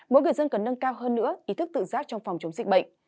mỗi người dân cần nâng cao hơn nữa ý thức tự giác trong phòng chống dịch bệnh